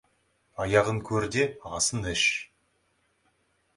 Аяғын көр де, асын іш.